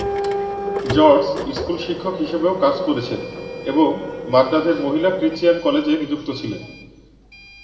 George school শিক্ষক হিসেবেও কাজ করেছেন এবং মাদ্রাজের মহিলা ক্রিশ্চিয়ান কলেজে নিযুক্ত ছিলেন।